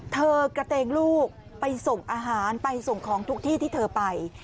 เธอกระเตงลูกไปส่งอาหารไปส่งของทุกที่ที่เธอไป